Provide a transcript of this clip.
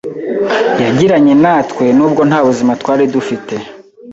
yagiranye natwe, n’ubwo nta buzima twari dufite